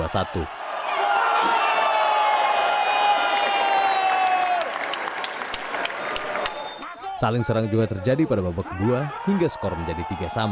saling serang juga terjadi pada babak kedua hingga skor menjadi tiga satu